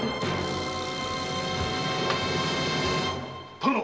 殿！